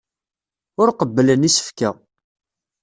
Ur qebblen isefka.